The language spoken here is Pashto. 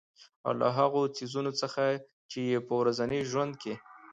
او له هـغو څـيزونه څـخـه چـې په ورځـني ژونـد کـې